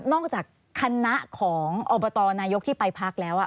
จากคณะของอบตนายกที่ไปพักแล้ว